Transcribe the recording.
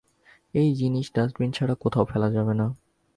এই জিনিস ডাস্টবিন ছাড়া কোথাও ফেলা যাবে না।